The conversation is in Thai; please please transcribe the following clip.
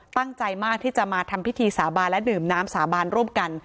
ตั้งใจมากที่จะมาทำพิธีสาบานและดื่มน้ำสาบานร่วมกัน